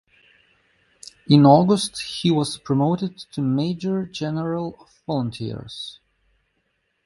In August, he was promoted to major general of volunteers.